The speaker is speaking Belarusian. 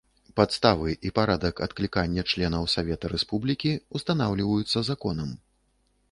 Падставы і парадак адклікання членаў Савета Рэспублікі ўстанаўліваюцца законам.